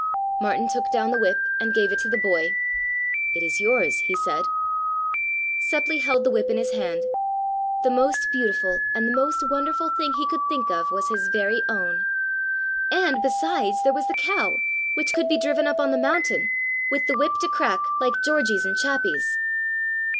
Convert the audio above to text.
Martin took down the whip and gave it to the boy. "It is yours," he said. Seppli held the whip in his hand. The most beautiful and the most wonderful thing he could think of was his very own! And, besides, there was the cow, which could be driven up on the mountain, with the whip to crack, like Georgie's and Chappi's!